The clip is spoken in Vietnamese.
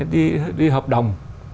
đi hợp đồng